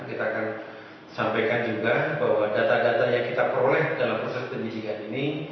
kita akan sampaikan juga bahwa data data yang kita peroleh dalam proses penyidikan ini